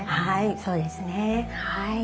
はいそうですね。